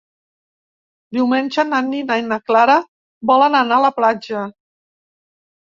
Diumenge na Nina i na Clara volen anar a la platja.